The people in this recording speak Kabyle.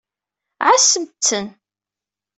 Ɛassemt-ten.